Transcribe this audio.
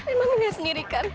emang ini sendiri kan